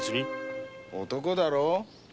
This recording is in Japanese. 男だろ